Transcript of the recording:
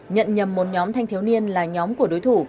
nhận nhầm một nhóm thanh thiếu niên là nhóm của đối thủ